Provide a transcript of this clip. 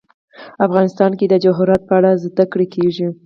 افغانستان کې د جواهرات په اړه زده کړه کېږي.